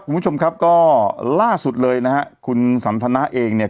คุณผู้ชมครับก็ล่าสุดเลยนะฮะคุณสันทนาเองเนี่ย